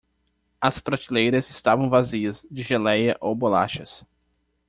As prateleiras estavam vazias de geléia ou bolachas.